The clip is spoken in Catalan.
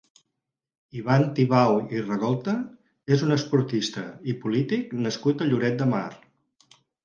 Ivan Tibau i Ragolta és un esportista i polític nascut a Lloret de Mar.